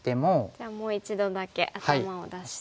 じゃあもう一度だけ頭を出して。